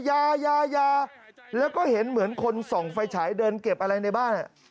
ยายาแล้วก็เห็นเหมือนคนส่องไฟฉายเดินเก็บอะไรในบ้าน